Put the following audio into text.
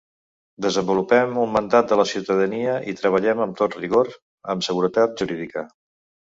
Desenvolupem un mandat de la ciutadania i treballem amb tot rigor, amb seguretat jurídica.